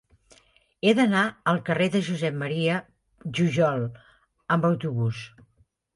He d'anar al carrer de Josep M. Jujol amb autobús.